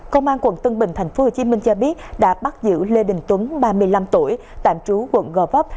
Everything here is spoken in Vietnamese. công an quận tân bình tp hcm cho biết đã bắt giữ lê đình tuấn ba mươi năm tuổi tạm trú quận gò vấp